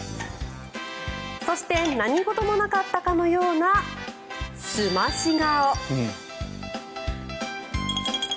そして何事もなかったかのような澄まし顔。